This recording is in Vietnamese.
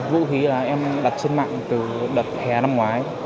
vũ khí là em đặt trên mạng từ đợt hè năm ngoái